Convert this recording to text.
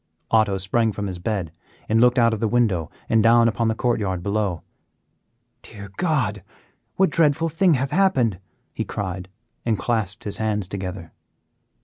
Otto sprang from his bed and looked out of the window and down upon the court yard below. "Dear God! what dreadful thing hath happened?" he cried and clasped his hands together.